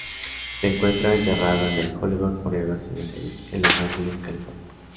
Se encuentra enterrada en el Hollywood Forever Cemetery en Los Angeles, California.